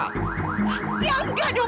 ya enggak dong